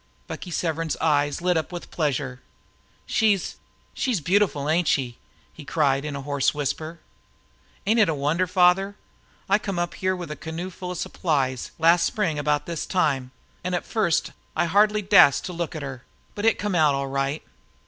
Bucky Severn's eyes lit up with pleasure. "She's she's beautiful, ain't she?" he cried in hoarse whisper. "Ain't it a wonder, father? I come up there with a canoe full of supplies, last spring about this time, an' an' at first I hardly dast to look at her; but it came out all right.